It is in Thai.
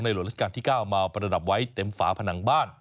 หลวงราชการที่๙มาประดับไว้เต็มฝาผนังบ้าน